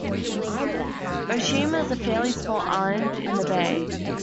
Aoshima is a fairly small island in the bay.